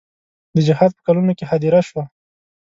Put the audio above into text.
د جهاد په کلونو کې هدیره شوه.